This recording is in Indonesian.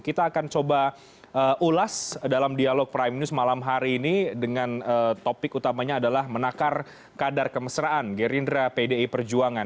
kita akan coba ulas dalam dialog prime news malam hari ini dengan topik utamanya adalah menakar kadar kemesraan gerindra pdi perjuangan